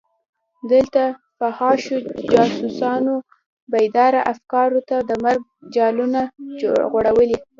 دلته فحاشو جاسوسانو بېداره افکارو ته د مرګ جالونه غوړولي.